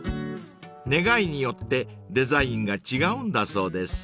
［願いによってデザインが違うんだそうです］